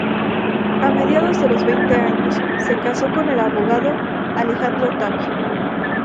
A mediados de los años veinte se casó con el abogado Alejandro Tapia.